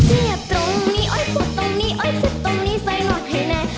เจ็บตรงนี้โอ๊ยโปรดตรงนี้โอ๊ยเจ็บตรงนี้ใส่หลอกให้แน่